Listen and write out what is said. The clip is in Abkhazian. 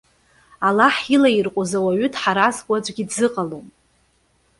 Аллаҳ илаирҟәыз ауаҩы дҳаразкуа аӡәгьы дзыҟалом.